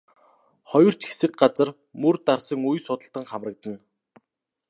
Хоёр ч хэсэг газар мөр дарсан үе судалтан харагдана.